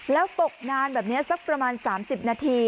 แล้วตกนานแบบนี้สักประมาณ๓๐นาที